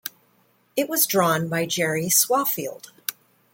It was drawn by Jerry Swaffield.